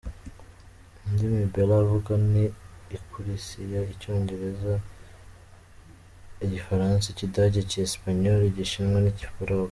Indimi Bella avuga ni Ikirusiya, Icyongereza, Igifaransa, Ikidage, Icyesipanyolo, Igishinwa n’icyarabu.